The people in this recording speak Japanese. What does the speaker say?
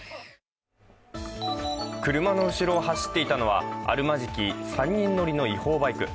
車の後ろを走っていたのは、あるまじき３人乗りの違法バイク。